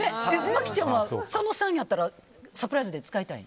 麻貴ちゃんは佐野さんやったらサプライズで使いたい？